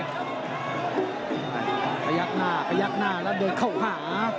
พยักหน้าพยักหน้าแล้วเดินเข้าหา